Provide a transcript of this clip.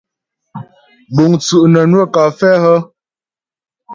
Búŋ tsú' nə́ nwə́ kafɛ́ hə́ ?